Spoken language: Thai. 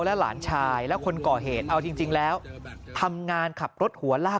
และหลานชายและคนก่อเหตุเอาจริงแล้วทำงานขับรถหัวลาก